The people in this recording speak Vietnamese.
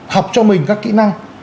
học cho mình các kĩ năng